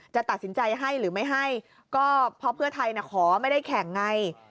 จะตัดสินใจให้หรือไม่ให้ก็เพราะเพื่อไทยขอไม่ได้แข่งไง